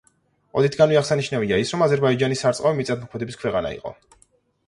ოდითგანვე აღსანიშნავია ის, რომ აზერბაიჯანი სარწყავი მიწათმოქმედების ქვეყანა იყო.